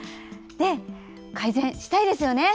改善したいですよね。